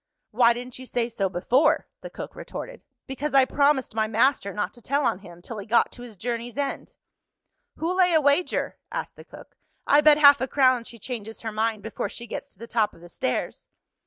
"Why didn't you say so before?" the cook retorted. "Because I promised my master not to tell on him, till he got to his journey's end." "Who'll lay a wager?" asked the cook. "I bet half a crown she changes her mind, before she gets to the top of the stairs."